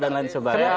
dan lain sebagainya